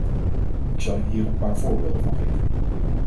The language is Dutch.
Ik zal u hier een paar voorbeelden van geven.